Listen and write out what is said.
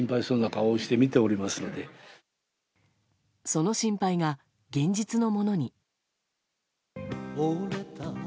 その心配が現実のものに。